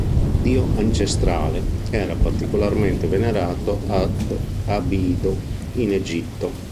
Dio ancestrale, era particolarmente venerato ad Abido, in Egitto.